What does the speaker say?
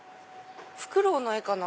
フクロウの絵かな？